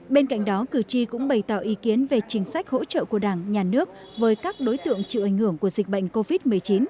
bên cạnh đó cử tri cũng bày tỏ ý kiến về chính sách hỗ trợ của đảng nhà nước với các đối tượng chịu ảnh hưởng của dịch bệnh covid một mươi chín